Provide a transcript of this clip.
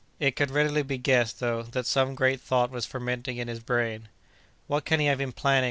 It could readily be guessed, though, that some great thought was fermenting in his brain. "What can he have been planning?"